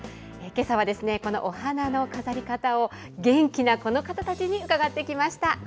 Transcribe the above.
けさはですね、このお花の飾り方を元気なこの方たちに伺ってきました。